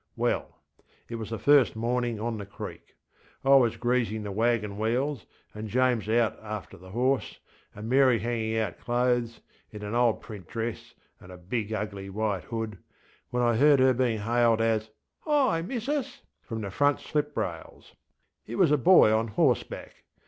Well. It was the first morning on the creek: I was greasing the waggon wheels, and James out after the horse, and Mary hanging out clothes, in an old print dress and a big ugly white hood, when I heard her being hailed as ŌĆśHi, missus! ŌĆÖ from the front slip rails. It was a boy on horseback.